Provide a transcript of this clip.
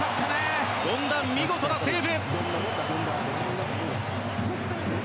権田、見事なセーブ！